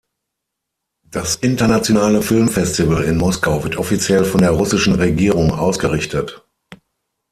Das Internationale Filmfestival in Moskau wird offiziell von der russischen Regierung ausgerichtet.